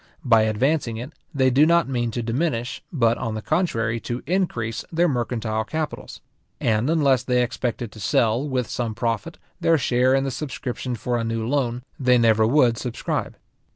By advancing it, they do not mean to diminish, but, on the contrary, to increase their mercantile capitals; and unless they expected to sell, with some profit, their share in the subscription for a new loan, they never would subscribe.